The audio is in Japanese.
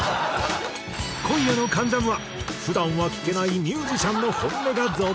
今夜の『関ジャム』は普段は聞けないミュージシャンの本音が続々。